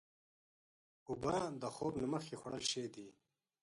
اوبه د خوب نه مخکې خوړل ښې دي.